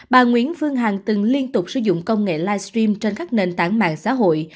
bà nguyễn phương hằng từng liên tục sử dụng công nghệ livestream trên các nền tảng mạng xã hội